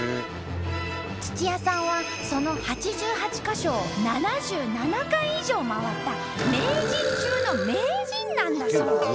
土谷さんはその８８か所を７７回以上回った名人中の名人なんだそう。